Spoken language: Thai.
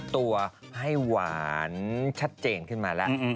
ตัวให้หวานชัดเจนขึ้นมาแล้ว